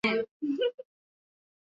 mizizi na majani ya viazi lishe huliwa